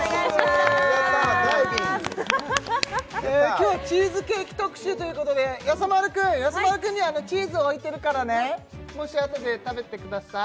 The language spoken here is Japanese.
今日はチーズケーキ特集ということでやさ丸くんやさ丸くんにはチーズを置いてるからねもしあとで食べてください